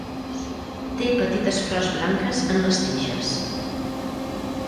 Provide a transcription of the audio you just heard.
Té petites flors blanques en les tiges.